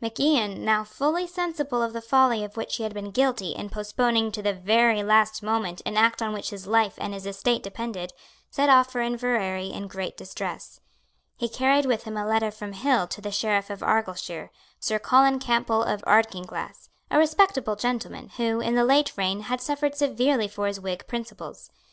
Mac Ian, now fully sensible of the folly of which he had been guilty in postponing to the very last moment an act on which his life and his estate depended, set off for Inverary in great distress. He carried with him a letter from Hill to the Sheriff of Argyleshire, Sir Colin Campbell of Ardkinglass, a respectable gentleman, who, in the late reign, had suffered severely for his Whig principles.